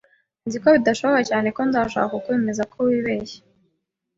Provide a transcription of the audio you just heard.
Nzi ko bidashoboka cyane ko nzashobora kukwemeza ko wibeshye